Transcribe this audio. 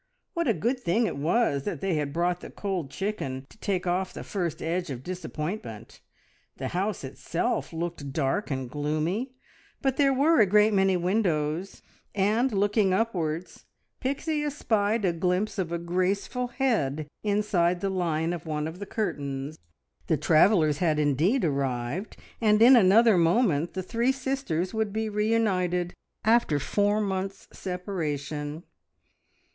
What a good thing it was that they had brought the cold chicken to take off the first edge of disappointment! The house itself looked dark and gloomy, but there were a great many windows, and looking upwards Pixie espied a glimpse of a graceful head inside the line of one of the curtains. The travellers had indeed arrived, and in another moment the three sisters would be reunited, after four months' separation.